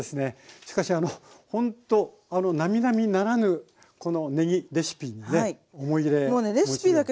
しかしあのほんとなみなみならぬこのねぎレシピにね思い入れお持ちで。